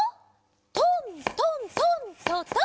トントントントトン。